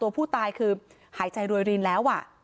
ผู้ตายคือหายใจรวยรินแล้ว